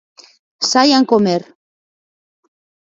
Saian comer.